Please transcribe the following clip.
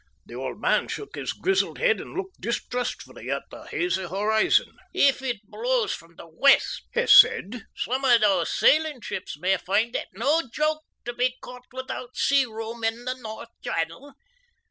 The old man shook his grizzled head and looked distrustfully at the hazy horizon. "If it blows from the west," he said, "some o' these sailing ships may find it no joke to be caught without sea room in the North Channel.